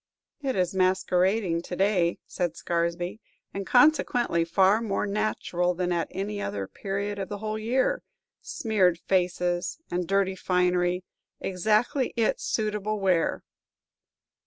"It is masquerading to day," said Scaresby, "and, consequently, far more natural than at any other period of the whole year. Smeared faces and dirty finery, exactly its suitable wear!"